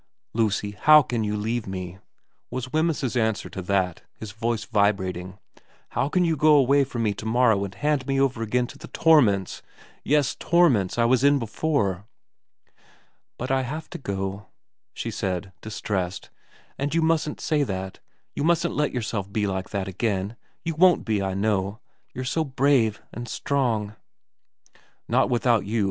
' Lucy, how can you leave me,' was Wemyss's answer to that, his voice vibrating, ' how can you go away from me to morrow and hand me over again to the torments yes, torments, I was in before ?'' But I have to go,' she said, distressed. ' And you mustn't say that. You mustn't let yourself be like that v VERA 57 again. You won't be, I know you're so brave and strong.' ' Not without you.